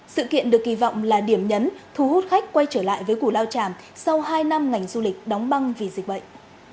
sự kiện được kỳ vọng là điểm nhấn thu hút khách quay trở lại với củ lao tràm sau hai năm ngành du lịch đóng băng vì dịch bệnh